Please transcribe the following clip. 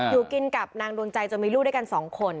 อยู่กินกับนางดวงใจจนมีลูกด้วยกัน๒คน